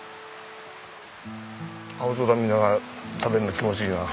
青空見ながら食べるの気持ちいいなあ。